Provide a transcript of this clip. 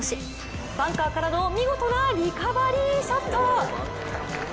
バンカーからの見事なリカバリーショット。